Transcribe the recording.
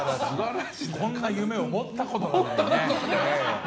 こんな夢を持ったことがないね。